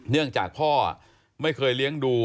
เนื่องจากพ่อไม่เคยเลี้ยงดู